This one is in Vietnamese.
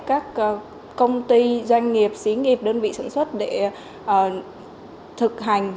các công ty doanh nghiệp xí nghiệp đơn vị sản xuất để thực hành